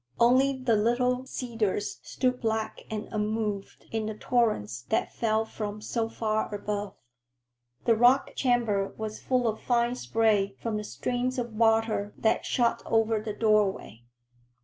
Only the little cedars stood black and unmoved in the torrents that fell from so far above. The rock chamber was full of fine spray from the streams of water that shot over the doorway.